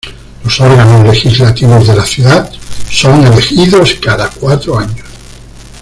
Los órganos legislativos de la ciudad son elegidos cada cuatro años.